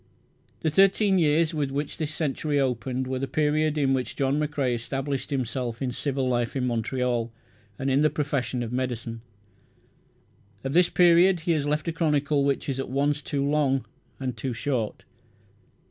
The thirteen years with which this century opened were the period in which John McCrae established himself in civil life in Montreal and in the profession of medicine. Of this period he has left a chronicle which is at once too long and too short.